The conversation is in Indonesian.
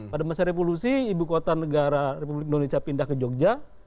pada masa revolusi ibu kota negara republik indonesia pindah ke jogja